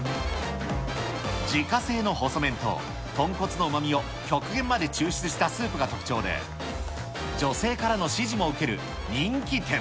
自家製の細麺と、豚骨のうまみを極限まで抽出したスープが特徴で、女性からの支持も受ける人気店。